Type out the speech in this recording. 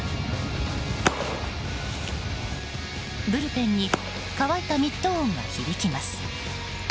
ブルペンに乾いたミット音が響きます。